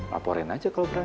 laporin aja kalau berani